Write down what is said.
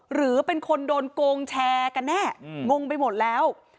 หรือเป็นคนโดนโกงแชร์กันแน่งงไปหมดแล้ว